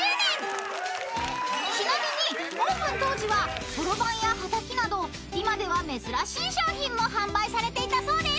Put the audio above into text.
［ちなみにオープン当時はそろばんやはたきなど今では珍しい商品も販売されていたそうです］